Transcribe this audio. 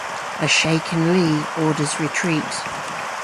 A shaken Lee orders retreat.